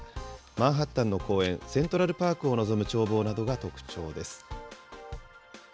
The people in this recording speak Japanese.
マンハッタンの公園、セントラルパークを望む眺望などが特徴です。